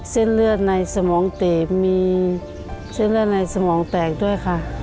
เส้นเลือดในสมองเตะมีเส้นเลือดในสมองแตกด้วยค่ะ